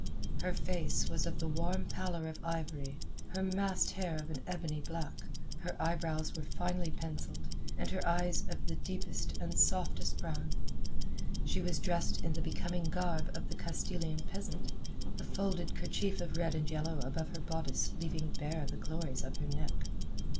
Her face was of the warm pallor of ivory, her massed hair of an ebony black, her eyebrows were finely pencilled, and her eyes of deepest and softest brown. She was dressed in the becoming garb of the Castilian peasant, the folded kerchief of red and yellow above her bodice leaving bare the glories of her neck.